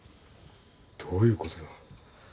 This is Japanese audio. どういうことだ。